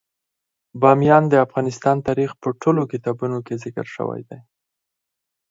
بامیان د افغان تاریخ په ټولو کتابونو کې ذکر شوی دی.